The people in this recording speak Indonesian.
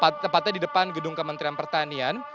tepatnya di depan gedung kementerian pertanian